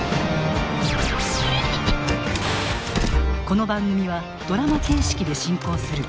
この番組はドラマ形式で進行する。